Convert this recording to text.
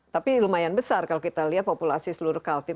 tapi lumayan besar kalau kita lihat populasi seluruh kaltim